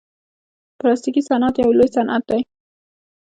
پلاستيکي صنعت یو لوی صنعت دی.